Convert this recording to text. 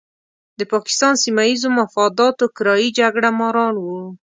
د پاکستان سیمه ییزو مفاداتو کرایي جګړه ماران وو.